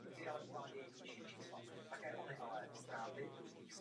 Tyto schopnosti jsou získávány v rámci rodiny.